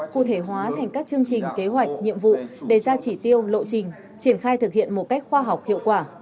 cụ thể hóa thành các chương trình kế hoạch nhiệm vụ đề ra chỉ tiêu lộ trình triển khai thực hiện một cách khoa học hiệu quả